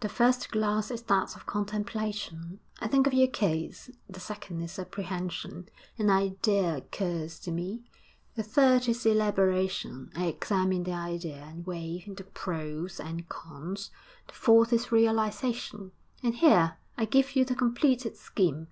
The first glass is that of contemplation I think of your case; the second is apprehension an idea occurs to me; the third is elaboration I examine the idea and weigh the pros and cons; the fourth is realisation and here I give you the completed scheme.